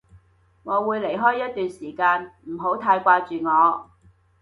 我會離開一段時間，唔好太掛住我